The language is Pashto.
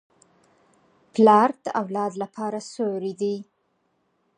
پلار د اولاد لپاره سیوری دی.